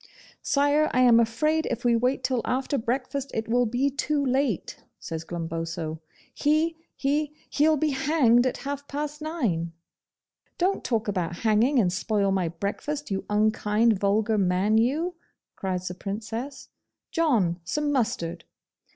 'Sire, I am afraid if we wait till after breakfast it will be too late,' says Glumboso. 'He he he'll be hanged at half past nine.' 'Don't talk about hanging and spoil my breakfast, you unkind, vulgar man you,' cries the Princess. 'John, some mustard.